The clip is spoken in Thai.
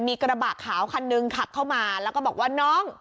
มีกระบะขาวคันหนึ่งขับเข้ามาแล้วก็บอกว่าน้อง